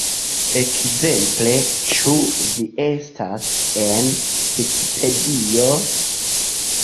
Ekzemple "Ĉu vi estas en Vikipedio?